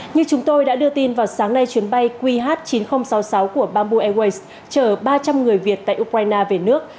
như chúng tôi đã đưa tin vào sáng nay chuyến bay qh chín nghìn sáu mươi sáu của bamboo airways chở ba trăm linh người việt tại ukraine về nước